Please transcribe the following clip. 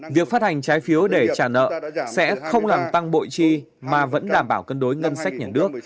việc phát hành trái phiếu để trả nợ sẽ không làm tăng bội chi mà vẫn đảm bảo cân đối ngân sách nhà nước